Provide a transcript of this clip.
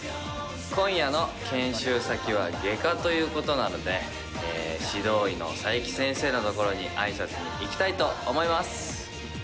今夜の研修先は外科ということなので、指導医の冴木先生の所にあいさつに行きたいと思います。